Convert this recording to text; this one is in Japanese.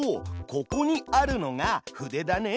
ここにあるのが筆だね。